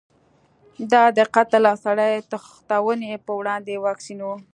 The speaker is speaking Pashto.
دا د قتل او سړي تښتونې په وړاندې واکسین و.